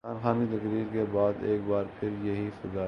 عمران خان کی تقریر کے بعد ایک بار پھر یہی فضا ہے۔